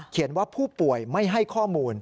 ว่าผู้ป่วยไม่ให้ข้อมูล